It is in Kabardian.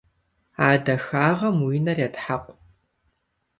А дахагъэм уи нэр етхьэкъу.